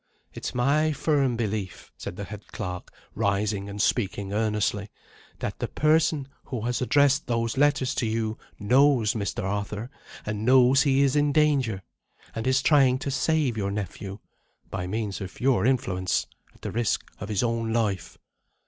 It's my firm belief," said the head clerk, rising and speaking earnestly, "that the person who has addressed those letters to you knows Mr. Arthur, and knows he is in danger and is trying to save your nephew (by means of your influence), at the risk of his own life."